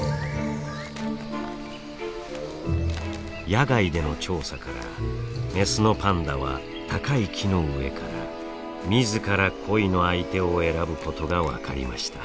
野外での調査からメスのパンダは高い木の上から自ら恋の相手を選ぶことが分かりました。